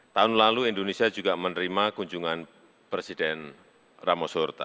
tahun lalu indonesia juga menerima kunjungan presiden ramos horta